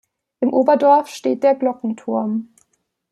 Im Oberdorf steht der Glockenturm.